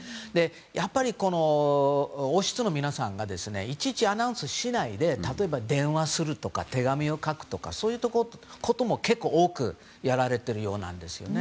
やっぱり、王室の皆さんがいちいちアナウンスしないで例えば電話するとか手紙を書くとかそういうことも結構多くやられているようなんです。